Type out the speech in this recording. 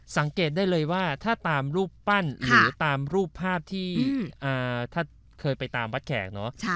สังเกตได้เลยว่าถ้าตามรูปปั้นหรือตามรูปภาพที่ถ้าเคยไปตามวัดแขกเนอะ